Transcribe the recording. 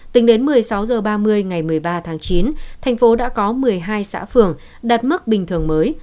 tính đến một mươi sáu h ba mươi ngày một mươi ba tháng chín thành phố đã có một mươi hai xã phường đạt mức bình thường mới